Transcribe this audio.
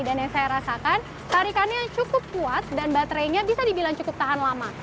dan yang saya rasakan tarikannya cukup kuat dan baterainya bisa dibilang cukup tahan lama